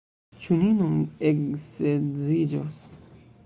Ĉu ni nun eksedziĝos!